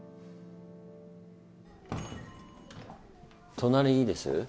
・隣いいです？